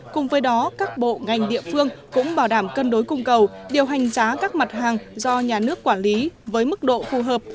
cùng với đó các bộ ngành địa phương cũng bảo đảm cân đối cung cầu điều hành giá các mặt hàng do nhà nước quản lý với mức độ phù hợp